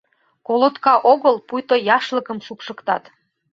Колотка огыл, пуйто яшлыкым шупшыктат.